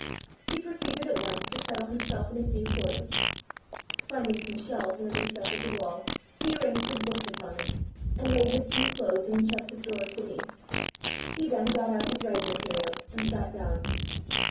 He proceeded at once to settle himself in his new quarters. Finding some shelves in a recess of the wall, he arranged his books upon them, and laid his few clothes in the chest of drawers beneath. He then got out his writing material, and sat down.